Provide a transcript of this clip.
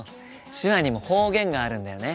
手話にも方言があるんだよね。